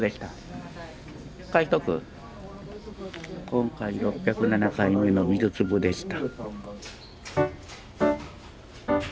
今回６０７回目の美術部でした。